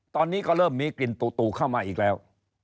ตอนนี้ก็เริ่มมีกลิ่นตู่เข้ามาอีกแล้ว